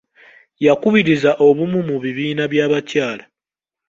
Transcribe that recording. Yakubiriza obumu mu bibiina by'abakyala.